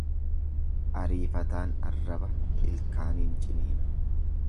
Ariifataan arraba ilkaaniin ciniina.